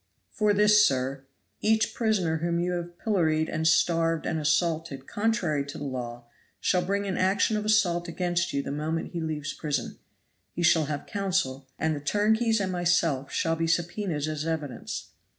"For this, sir. Each prisoner whom you have pilloried and starved and assaulted contrary to law shall bring an action of assault against you the moment he leaves prison. He shall have counsel, and the turnkeys and myself shall be subpoenaed as evidence.